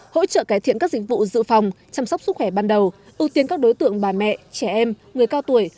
hỗ trợ cải thiện các dịch vụ dự phòng chăm sóc sức khỏe ban đầu ưu tiên các đối tượng bà mẹ trẻ em người cao tuổi